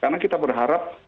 karena kita berharap